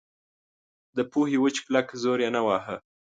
د پوهې وچ کلک زور یې نه واهه.